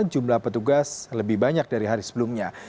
jumlah petugas lebih banyak dari hari sebelumnya